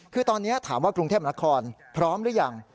คือตอนนี้ถามว่ากรุงเทพนครพร้อมหรือยัง